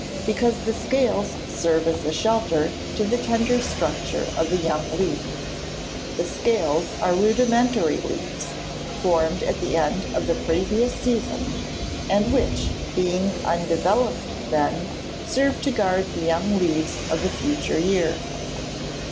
_ Because the scales serve as a shelter to the tender structure of the young leaf. The scales are rudimentary leaves, formed at the end of the previous season, and which, being undeveloped then, serve to guard the young leaves of the future year.